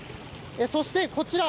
そして、こちら。